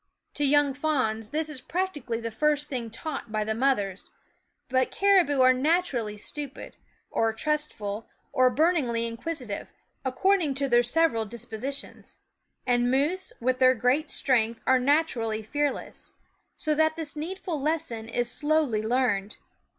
To young fawns this is practically the first thing taught by the mothers ; but caribou 268 W SCHOOL OF are naturally stupid, or trustful, or burningly inquisitive, according to their several disposi tions ; and moose, with their great strength, are naturally fearless ; so that this . needful lesson is slowly learned.